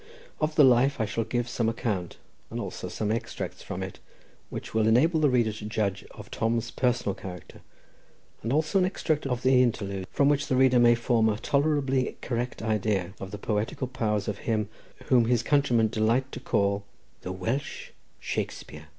Of the life I shall give some account, and also some extracts from it, which will enable the reader to judge of Tom's personal character, and also an abstract of the interlude, from which the reader may form a tolerably correct idea of the poetical powers of him whom his countrymen delight to call "the Welsh Shakespear."